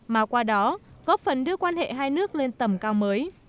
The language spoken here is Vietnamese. mà qua đó góp phần đưa quan hệ hai nước lên tầm cao mới